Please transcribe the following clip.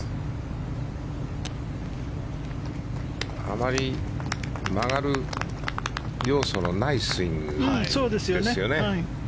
あまり曲がる要素のないスイングですよね。